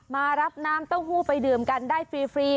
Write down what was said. มารับน้ำเต้าหู้ไปดื่มกันได้ฟรี